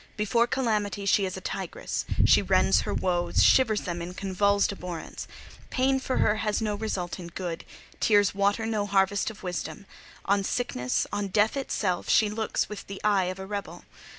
Before calamity she is a tigress; she rends her woes, shivers them in convulsed abhorrence. Pain, for her, has no result in good: tears water no harvest of wisdom: on sickness, on death itself, she looks with the eye of a rebel.